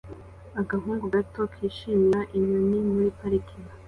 Agahungu gato kishimira inyoni muri parike